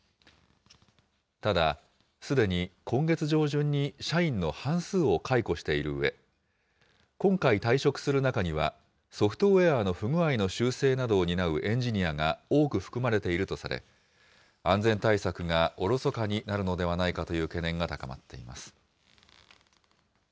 ただ、すでに今月上旬に社員の半数を解雇しているうえ、今回退職する中には、ソフトウエアの不具合の修正などを担うエンジニアが多く含まれているとされ、安全対策がおろそかになるのではないかという懸念が高まっています。